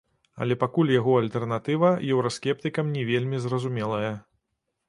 Але пакуль яго альтэрнатыва еўраскептыкам не вельмі зразумелая.